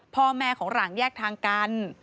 พ่อแม่ของหลังแยกทางกัน